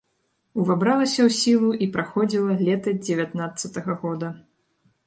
Увабралася ў сілу і праходзіла лета дзевятнаццатага года.